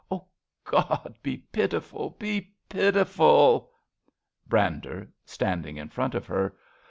Oh, God, be pitiful, be pitiful ! Brander {standing in fi ont of her).